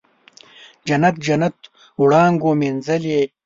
جنت، جنت وړانګو مینځلې